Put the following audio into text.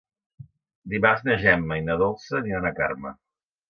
Dimarts na Gemma i na Dolça aniran a Carme.